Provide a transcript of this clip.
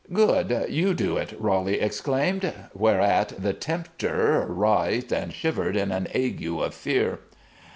"Good! You do it!" Roly exclaimed; whereat the tempter writhed and shivered in an ague of fear.